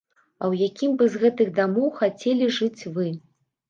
А ў якім бы з гэтых дамоў хацелі жыць вы?